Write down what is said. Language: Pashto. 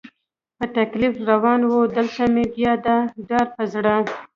په تکلیف را روان و، دلته مې بیا دا ډار په زړه.